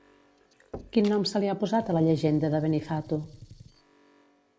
Quin nom se li ha posat a la llegenda de Benifato?